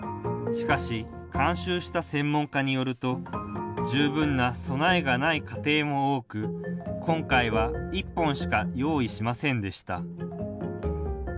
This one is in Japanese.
しかし、監修した専門家によると十分な備えがない家庭も多く今回は、１本しか用意しませんでした。